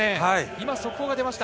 今速報が出ました。